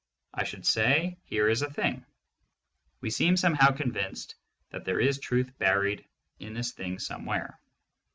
I should say, here is a thing. We seem somehow convinced that there is truth buried in this thing somewhere.